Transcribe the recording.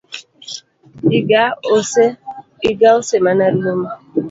Iga ose mana rumo